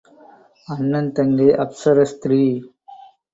அண்ணன் தங்கை அப்ஸர ஸ்திரீ.